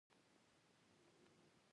له تودې معرکې وروسته سوله نصیب شوې وي.